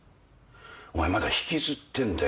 お前まだ引きずってんだよ